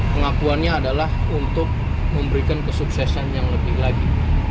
pengakuannya adalah untuk memberikan kesuksesan yang lebih lagi